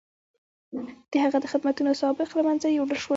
د هغه د خدمتونو سوابق له منځه یووړل شول.